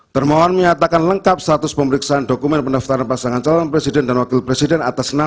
termohon menyatakan lengkap status pemeriksaan dokumen persyaratan pencalon dan wakil presiden